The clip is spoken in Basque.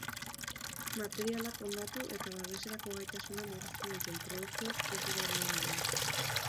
Materialak hondatu eta babeserako gaitasuna murrizten duten produktuak ez dira erabili behar.